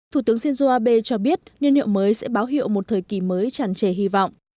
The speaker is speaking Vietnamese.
thủ tướng shinzo abe cho biết niên hiệu mới sẽ báo hiệu một thời kỳ mới chàn chề hy vọng